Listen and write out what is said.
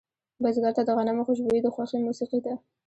بزګر ته د غنمو خوشبويي د خوښې موسیقي ده